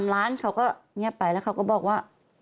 ร้านเขาก็เงียบไปแล้วเขาก็บอกว่า